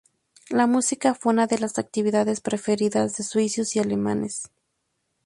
La música fue una de las actividades preferidas de suizos y alemanes.